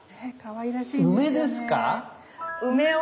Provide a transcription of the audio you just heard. かわいらしいですよね。